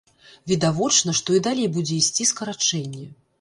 Відавочна, што і далей будзе ісці скарачэнне.